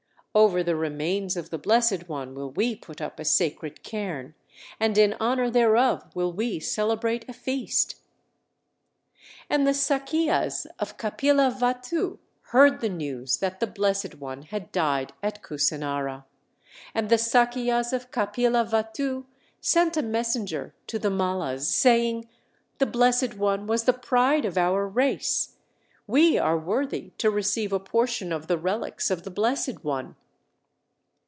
Over the remains of the Blessed One will we put up a sacred cairn, and in honor thereof will we celebrate a feast!" And the Sakiyas of Kapila vatthu heard the news that the Blessed One had died at Kusinara. And the Sakiyas of Kapila vatthu sent a messenger to the Mallas, saying "The Blessed One was the pride of our race. We are worthy to receive a portion of the relics of the Blessed One.